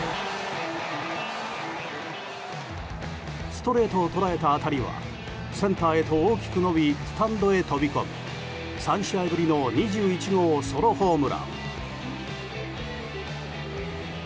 ストレートを捉えた当たりはセンターへと大きく伸びスタンドへ飛び込み３試合ぶりの２１号ソロホームラン。